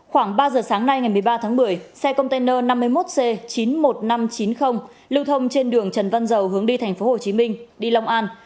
khoảng ba giờ sáng nay ngày một mươi ba tháng một mươi xe container năm mươi một c chín mươi một nghìn năm trăm chín mươi lưu thông trên đường trần văn dầu hướng đi thành phố hồ chí minh đi long an